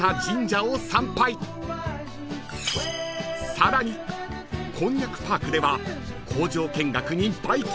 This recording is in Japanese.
［さらにこんにゃくパークでは工場見学にバイキング！］